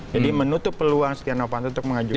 jadi menutup peluang setia novanto untuk mengajukan